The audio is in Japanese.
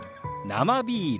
「生ビール」。